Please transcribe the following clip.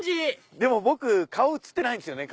でも僕顔写ってないですよね。